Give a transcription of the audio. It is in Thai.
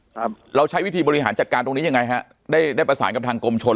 ครับเราใช้วิธีบริหารจัดการตรงนี้ยังไงฮะได้ได้ประสานกับทางกรมชน